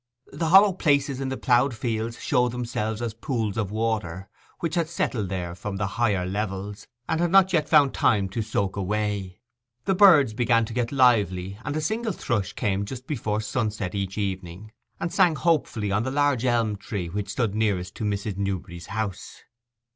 The hollow places in the ploughed fields showed themselves as pools of water, which had settled there from the higher levels, and had not yet found time to soak away. The birds began to get lively, and a single thrush came just before sunset each evening, and sang hopefully on the large elm tree which stood nearest to Mrs. Newberry's house.